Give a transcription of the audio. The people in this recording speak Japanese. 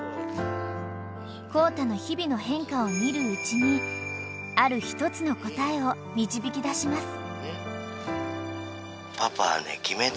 ［コウタの日々の変化を見るうちにある一つの答えを導き出します］